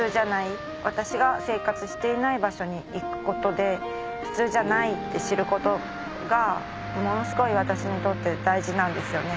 私が生活していない場所に行くことで普通じゃないって知ることがものすごい私にとって大事なんですよね。